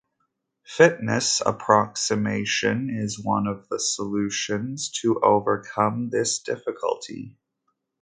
Fitness approximation is one of the solutions to overcome this difficulty.